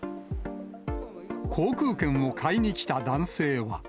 航空券を買いに来た男性は。